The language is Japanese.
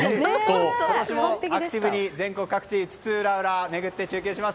今年もアクティブに全国各地津々浦々巡って中継します。